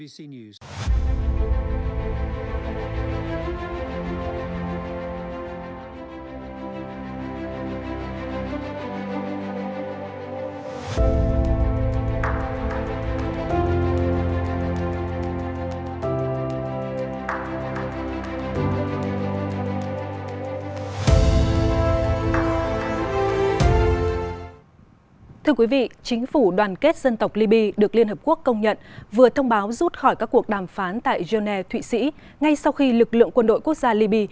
chính phủ đoàn kết dân tộc liby được liên hợp quốc công nhận vừa thông báo rút khỏi các cuộc đàm phán tại jeune thụy sĩ ngay sau khi lực lượng quân đội quốc gia liby